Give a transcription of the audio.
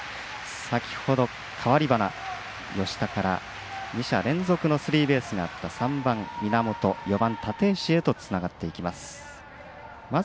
先ほど、代わり端に吉田から２者連続のスリーベースがあった３番、源、４番、立石とつながっていきます。